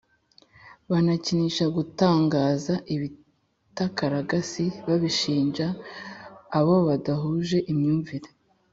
banakinisha gutangaza ibitakaragasi babishinja abobadahuje imyumvire